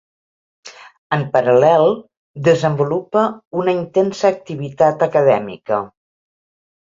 En paral·lel desenvolupa una intensa activitat acadèmica.